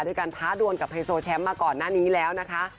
ด้วยการท้าดวนกับไฮโซแชมป์มาก่อนหน้านี้แล้วนะคะ